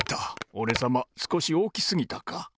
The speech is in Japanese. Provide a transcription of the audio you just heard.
おれさますこしおおきすぎたか。